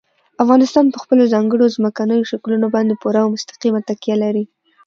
افغانستان په خپلو ځانګړو ځمکنیو شکلونو باندې پوره او مستقیمه تکیه لري.